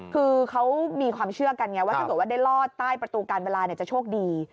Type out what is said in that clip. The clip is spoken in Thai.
คือเขามีความเชื่อกันไงว่าถ้าเกิดว่าได้รอดใต้ประตูการเวลาจะโชคดี